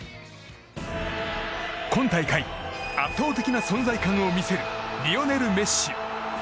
今大会圧倒的な存在感を見せるリオネル・メッシ。